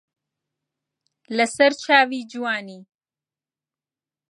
لە سەر چاوی جوانی